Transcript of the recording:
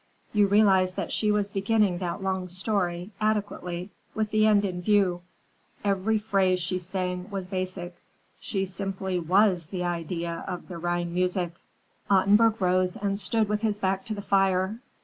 You realized that she was beginning that long story, adequately, with the end in view. Every phrase she sang was basic. She simply was the idea of the Rhine music." Ottenburg rose and stood with his back to the fire.